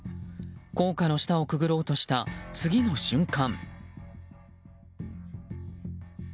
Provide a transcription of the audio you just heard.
高架の下をくぐろうとした次の瞬間。